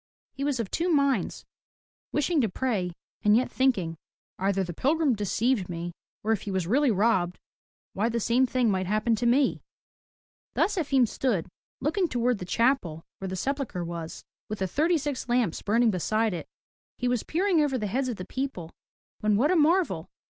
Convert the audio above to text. He was of two minds, wishing to pray and yet thinking, "Either the pilgrim deceived me, or if he was really robbed, why the same thing might happen to me.'' Thus Efim stood, looking toward the chapel where the sepul chre was, with the thirty six lamps burning beside it. He was peering over the heads of the people, when what a marvel!